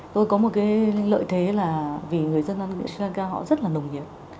tôi có một cái lợi thế là vì người dân ở sri lanka họ rất là nồng nhiệt